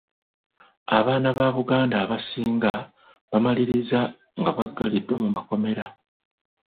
Abaana ba Buganda abasinga bamaliriza nga baggaliddwa mu makomero